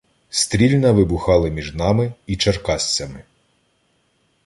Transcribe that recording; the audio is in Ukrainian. Стрільна вибухали між нами і черкасцями.